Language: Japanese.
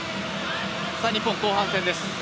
日本、後半戦です。